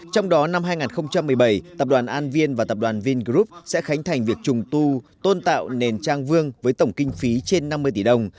trong đó năm hai nghìn một mươi bảy tập đoàn an viên và tập đoàn vingroup sẽ khánh thành việc trùng tu tôn tạo nền trang vương với tổng kinh phí trên năm mươi tỷ đồng